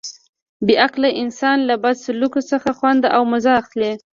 بې عقله انسان له بد سلوک څخه خوند او مزه اخلي.